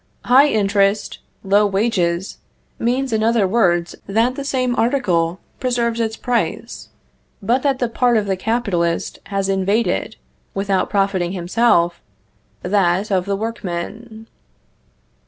High interest, low wages, means in other words that the same article preserves its price, but that the part of the capitalist has invaded, without profiting himself, that of the workman.